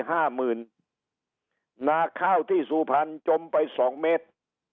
หน้าข้าวที่สูบพันธุ์จมไป๒เมตร